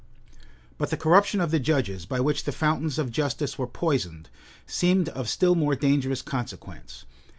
} But the corruption of the judges, by which the fountains of justice were poisoned, seemed of still more dangerous consequence.